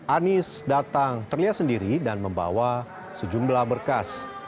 anies datang terlihat sendiri dan membawa sejumlah berkas